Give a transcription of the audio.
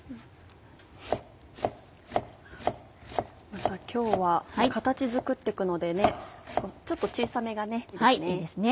また今日は形作ってくのでちょっと小さめがいいですね。